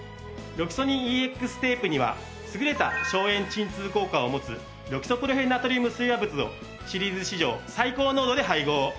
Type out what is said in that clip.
ロキソニンＥＸテープには優れた消炎鎮痛効果を持つロキソプロフェンナトリウム水和物をシリーズ史上最高濃度で配合。